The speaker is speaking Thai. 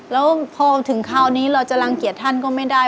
แล้วพอถึงคราวนี้เราจะรังเกียจท่านก็ไม่ได้